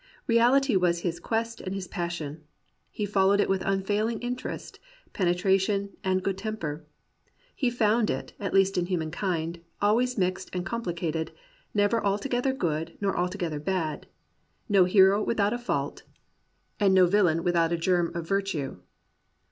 Reality was his quest and his passion. He followed it with unfailing interest, penetration, and good temper. He found it, at least in humankind, always mixed and complicated, never altogether good nor alto gether bad, no hero without a fault, and no villain 107 COMPANIONABLE BOOKS without a germ of virtue.